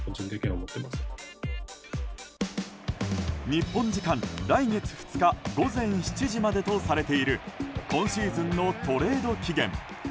日本時間来月２日午前７時までとされている今シーズンのトレード期限。